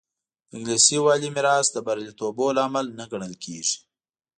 د انګلیسي والي میراث د بریالیتوبونو لامل نه ګڼل کېږي.